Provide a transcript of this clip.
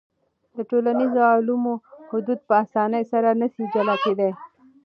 د ټولنیزو علومو حدود په اسانۍ سره نسي جلا کېدای.